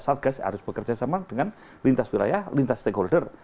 satgas harus bekerja sama dengan lintas wilayah lintas stakeholder